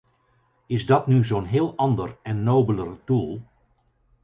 Is dat nu zo'n heel ander en nobeler doel?